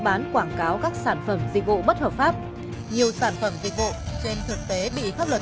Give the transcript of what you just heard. bán quảng cáo các sản phẩm dịch vụ bất hợp pháp nhiều sản phẩm dịch vụ trên thực tế bị pháp luật